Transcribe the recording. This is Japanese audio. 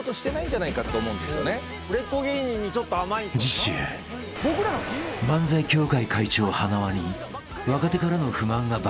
［次週漫才協会会長塙に若手からの不満が爆発］